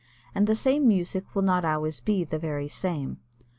And the same music will not always be the very same.